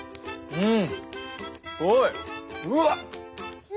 うん！